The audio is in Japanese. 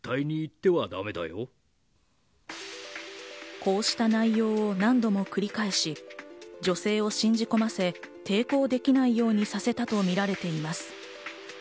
こうした内容を何度も繰り返し、女性を信じ込ませ、抵抗できないようにさせたとみられています。